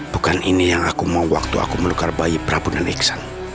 bukan ini yang aku mau waktu aku melukar bayi prabu dan iksan